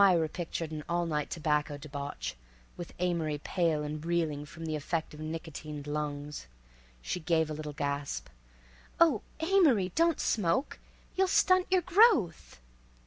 Myra pictured an all night tobacco debauch, with Amory pale and reeling from the effect of nicotined lungs. She gave a little gasp. "Oh, Amory, don't smoke. You'll stunt your _growth!